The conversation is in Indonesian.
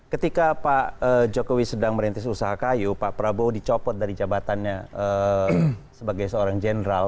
ketika pak jokowi sedang merintis usaha kayu pak prabowo dicopot dari jabatannya sebagai seorang jenderal